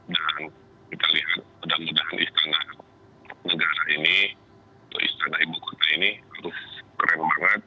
dan kita lihat mudah mudahan istana negara ini istana ibu kota ini harus keren banget